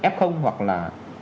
f hoặc là